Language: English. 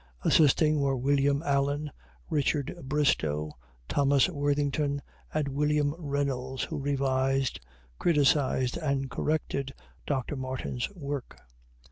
Assisting were William Allen, Richard Bristow, Thomas Worthington, and William Reynolds who revised, criticized, and corrected Dr. Martin's work.